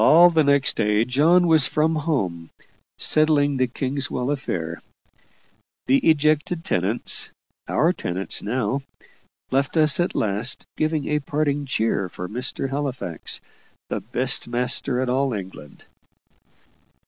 All the next day John was from home, settling the Kingswell affair. The ejected tenants our tenants now left us at last, giving a parting cheer for Mr. Halifax, the best master in all England.